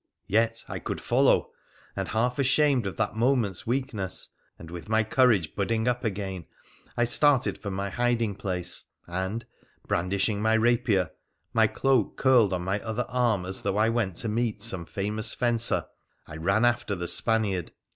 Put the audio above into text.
Yet, I could follow ! And, half ashamed of that moment's weakness, and with my courage budding up again, I started from my hiding place, and, bran dishing my rapier, my cloak curled on my other arm as though I went to meet some famous fencer, I ran after the Spaniard.